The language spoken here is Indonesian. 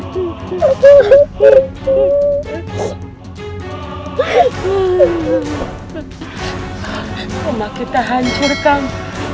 rumah kita hancur kang